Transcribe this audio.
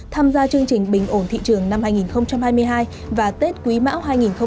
tham gia chương trình bình ổn thị trường năm hai nghìn hai mươi hai và tết quý mão hai nghìn hai mươi bốn